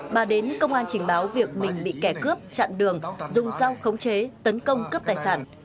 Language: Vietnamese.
bà đến công an trình báo việc mình bị kẻ cướp chặn đường dùng dao khống chế tấn công cướp tài sản